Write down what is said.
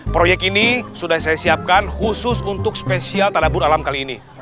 proyek ini sudah saya siapkan khusus untuk spesial tanabur alam kali ini